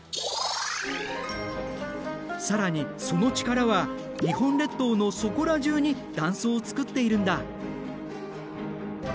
更にその力は日本列島のそこら中に断層を作っているんだ。